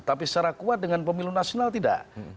tapi secara kuat dengan pemilu nasional tidak